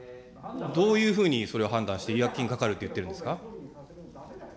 どういうふうにそれを判断して、違約金かかるというふうに言ってるんですか。